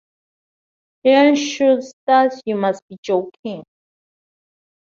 Leon Schuster's You Must Be Joking!